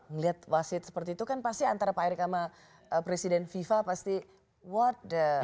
ngelihat wasit seperti itu kan pasti antara pak erick sama presiden fifa pasti what the